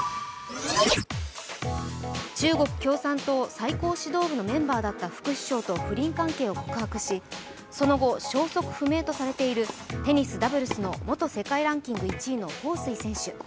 中国共産党最高指導部のメンバーだった副首相と不倫関係を告白しその後、消息不明とされているテニスダブルスの元世界ランク１位の彭帥選手。